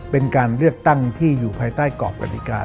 เป็นการเลือกตั้งที่อยู่ภายใต้กรอบกฎิกา